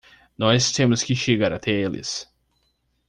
Nós temos que chegar até eles!